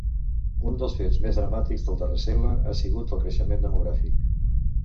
Un dels fets més dramàtics del darrer segle ha sigut el creixement demogràfic.